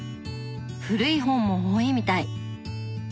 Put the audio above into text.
古い本も多いみたい。